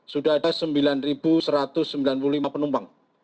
sudah ada sembilan satu ratus sembilan puluh lima penumpang